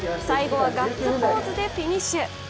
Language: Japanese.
最後はガッツポーズでフィニッシュ。